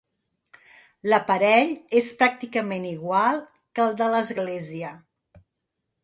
L'aparell és pràcticament igual que el de l'església.